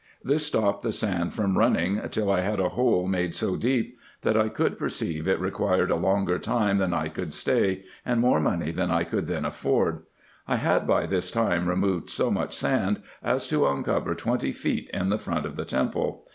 This stopped the sand from running, till 1 had a hole made so deep, that I coidd perceive it required a longer time than I coidd stay, and more money than I could then afford. I had by tins time removed so much sand, as to uncover twenty feet in the front of the temple.